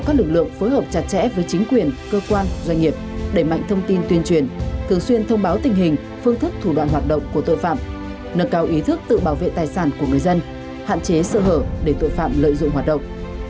các lực lượng phối hợp chặt chẽ với chính quyền cơ quan doanh nghiệp đẩy mạnh thông tin tuyên truyền thường xuyên thông báo tình hình phương thức thủ đoạn hoạt động của tội phạm nâng cao ý thức tự bảo vệ tài sản của người dân hạn chế sơ hở để tội phạm lợi dụng hoạt động